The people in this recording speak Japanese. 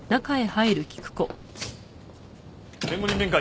弁護人面会